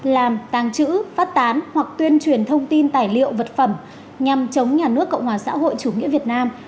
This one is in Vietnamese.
làm tàng trữ phát tán hoặc tuyên truyền thông tin tài liệu vật phẩm nhằm chống nhà nước cộng hòa xã hội chủ nghĩa việt nam